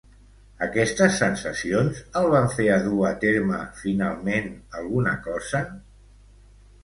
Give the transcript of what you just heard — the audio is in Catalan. Aquestes sensacions el van fer a dur a terme finalment alguna cosa?